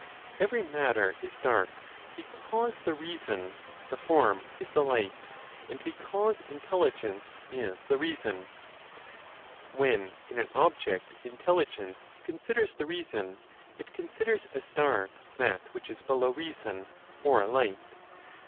Every matter is dark, because the reason (the form) is the light, and because intelligence is the reason. When, in an object, intelligence considers the reason, it considers as dark that which is below reason, or light.